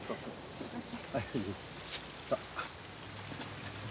すみません。